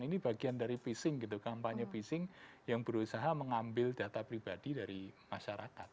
ini bagian dari phishing gitu kampanye phishing yang berusaha mengambil data pribadi dari masyarakat